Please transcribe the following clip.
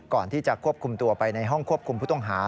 ก่อนที่จะควบคุมตัวไปในห้องควบคุมผู้ต้องหา